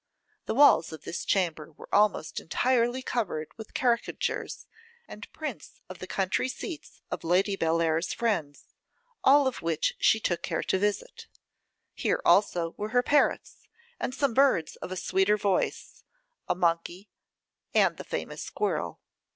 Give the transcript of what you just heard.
The walls of this chamber were almost entirely covered with caricatures, and prints of the country seats of Lady Bellair's friends, all of which she took care to visit. Here also were her parrots, and some birds of a sweeter voice, a monkey, and the famous squirrel.